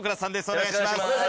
お願いします。